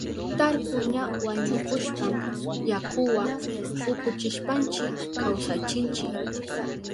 Tarpu ña wañuhushpan yakuwa ukuchishpanchi kawsachinchi.